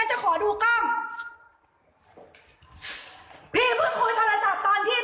ใช่มาถามเอาใส่เสื้ออะไรก็ไม่พูดด้วยนะ